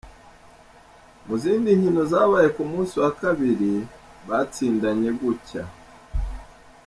Mu zindi nkino zabaye ku musi wa kabiri, batsindanye gutya:.